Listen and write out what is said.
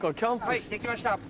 ・はいできました・